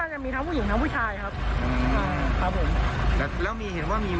จะมีทั้งผู้หญิงทั้งผู้ชายครับอืมอ่าครับผมแต่แล้วมีเห็นว่ามี